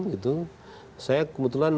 gitu saya kebetulan